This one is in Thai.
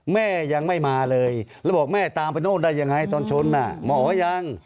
แม่ยังไม่มาเลยแล้วบอกแม่ตามไปโน่นได้ยังไงตอนชนหมอยัง